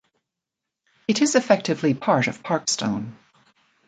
It is effectively part of Parkstone.